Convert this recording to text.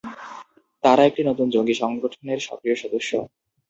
তাঁরা নতুন একটি জঙ্গি সংগঠনের সক্রিয় সদস্য।